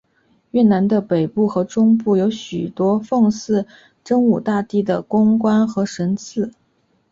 越南的北部和中部有许多奉祀真武大帝的宫观和神祠。